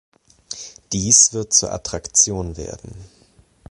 Dies wird zur Attraktion werden.